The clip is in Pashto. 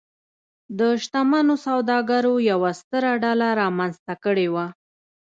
د شتمنو سوداګرو یوه ستره ډله رامنځته کړې وه.